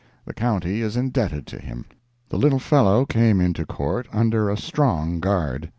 The county is indebted to him. The little fellow came into Court under a strong guard.